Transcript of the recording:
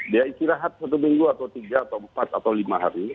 dia istirahat satu minggu atau tiga atau empat atau lima hari